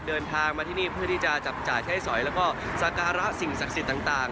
เดินทางมาที่นี่เพื่อที่จะจับจ่ายใช้สอยแล้วก็สการะสิ่งศักดิ์สิทธิ์ต่าง